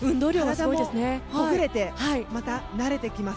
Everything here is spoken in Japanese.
体もほぐれてまた慣れてきます。